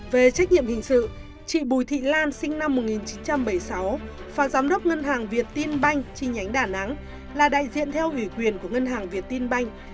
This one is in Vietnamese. về trách nhiệm hình sự chị bùi thị lan sinh năm một nghìn chín trăm bảy mươi sáu và giám đốc ngân hàng viettin banh chi nhánh đà nẵng là đại diện theo ủy quyền của ngân hàng viettin banh